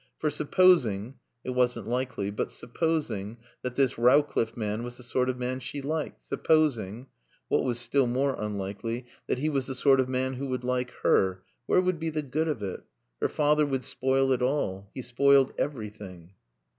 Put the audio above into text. For supposing it wasn't likely, but supposing that this Rowcliffe man was the sort of man she liked, supposing what was still more unlikely that he was the sort of man who would like her, where would be the good of it? Her father would spoil it all. He spoiled everything.